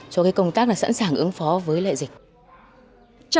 cho cái công tác sẵn sàng ứng phó với lệ dịch